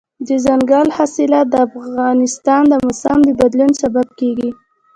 دځنګل حاصلات د افغانستان د موسم د بدلون سبب کېږي.